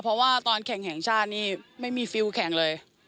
เพราะว่าตอนแข่งแห่งชาตินี่ไม่มีฟิลแข่งเลย